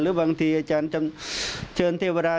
บางทีอาจารย์เชิญเทวดา